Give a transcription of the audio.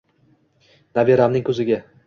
Nabiramning ko’ziga